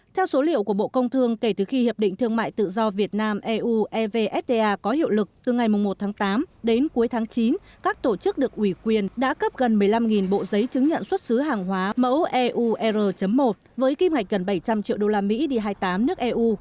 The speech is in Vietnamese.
theo số liệu của bộ công thương kể từ khi hiệp định thương mại tự do việt nam eu evfta có hiệu lực từ ngày một tháng tám đến cuối tháng chín các tổ chức được ủy quyền đã cấp gần một mươi năm bộ giấy chứng nhận xuất xứ hàng hóa mẫu eu r một với kim ngạch gần bảy trăm linh triệu usd hai mươi tám nước eu